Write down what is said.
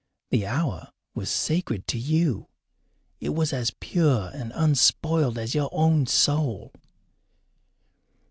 The hour was sacred to you. It was as pure and unspoiled as your own soul.